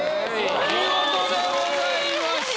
お見事でございました。